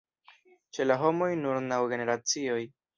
Ĉe la homoj nur naŭ generacioj.